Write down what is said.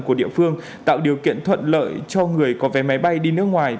của địa phương tạo điều kiện thuận lợi cho người có vé máy bay đi nước ngoài